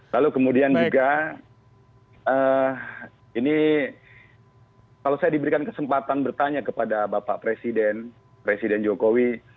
lalu kemudian juga ini kalau saya diberikan kesempatan bertanya kepada bapak presiden presiden jokowi